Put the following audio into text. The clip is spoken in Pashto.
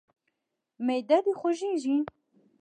معده د خوږیږي؟